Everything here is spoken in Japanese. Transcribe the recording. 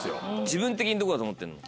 自分的にどこだと思ってんの？